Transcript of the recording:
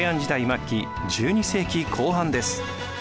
末期１２世紀後半です。